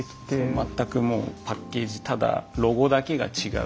全くもうパッケージただロゴだけが違うっていう状況に。